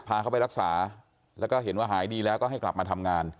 พาเขาไปรักษาแล้วก็เห็นว่าหายดีแล้วก็ให้กลับมาทำงาน